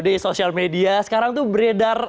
di sosial media sekarang tuh beredar